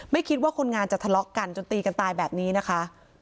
ไม่คิดว่าคนงานจะทะเลาะกันจนตีกันตายแบบนี้นะคะ